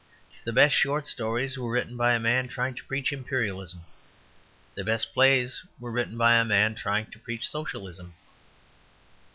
The best short stories were written by a man trying to preach Imperialism. The best plays were written by a man trying to preach Socialism.